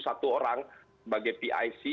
satu orang sebagai pic